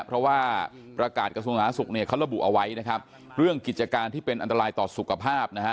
เพราะว่าประกาศกระทรวงสาธารณสุขเนี่ยเขาระบุเอาไว้นะครับเรื่องกิจการที่เป็นอันตรายต่อสุขภาพนะฮะ